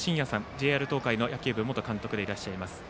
ＪＲ東海の元野球部監督でいらっしゃいます。